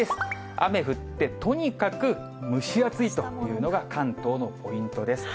雨降ってとにかく蒸し暑いというのが関東のポイントです。